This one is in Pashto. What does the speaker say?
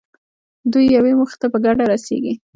دوی یوې موخې ته په ګډه رسېږي.